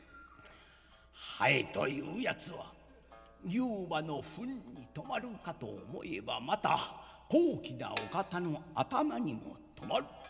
ハエというやつは牛馬のふんに止まるかと思えばまた高貴なお方の頭にも止まる。